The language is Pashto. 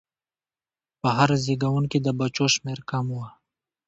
په هر زېږون کې د بچو شمېر کم و.